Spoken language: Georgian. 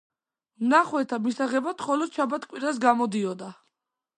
მნახველთა მისაღებად მხოლოდ შაბათ-კვირას გამოდიოდა.